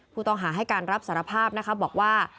ผู้ต้องหาให้การรับสารภาพนะคะบอกว่า